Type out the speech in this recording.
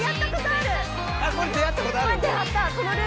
あこれ出会ったことある？